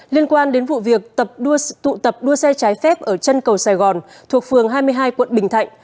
liên quan đến vụ việc tụ tập đua xe trái phép ở chân cầu sài gòn thuộc phường hai mươi hai quận bình thạnh